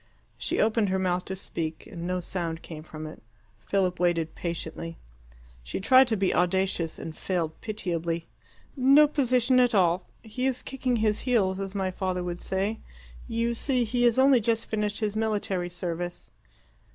She opened her mouth to speak, and no sound came from it. Philip waited patiently. She tried to be audacious, and failed pitiably. "No position at all. He is kicking his heels, as my father would say. You see, he has only just finished his military service."